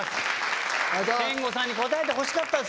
憲剛さんに答えてほしかったっすよね。